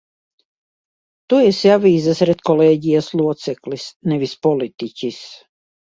Tu esi avīzes redkolēģijas loceklis, nevis politiķis!